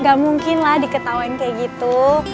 gak mungkin lah diketahui kayak gitu